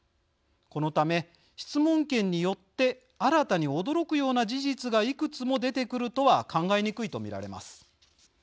このため、質問権によって新たに驚くような事実がいくつも出てくるとは考えにくいと見られます。